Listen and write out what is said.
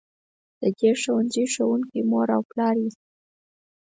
د دې ښوونځي ښوونکي مور او پلار وي.